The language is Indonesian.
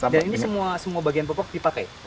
dan ini semua bagian popok dipakai